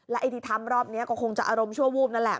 ไอ้ที่ทำรอบนี้ก็คงจะอารมณ์ชั่ววูบนั่นแหละ